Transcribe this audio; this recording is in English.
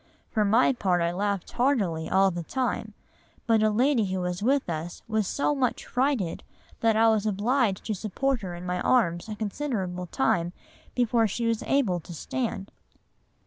For my part I laughed heartily all the time, but a lady who was with us was so much frighted, that I was obliged to support her in my arms a considerable time before she was able to stand."